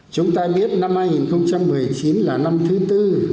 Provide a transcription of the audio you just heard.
chúng ta biết năm hai nghìn một mươi chín là năm thứ tư